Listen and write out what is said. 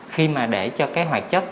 khi mà để cho cái hoạt chất